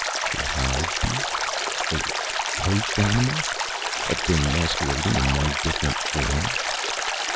A hive beast? A host animal? A thing masquerading in many different forms?